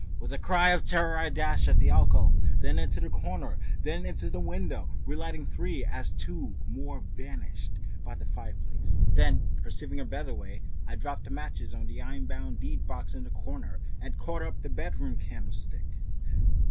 With a cry of terror I dashed at the alcove, then into the corner and then into the window, relighting three as two more vanished by the fireplace, and then, perceiving a better way, I dropped matches on the iron bound deedbox in the corner, and caught up the bedroom candlestick.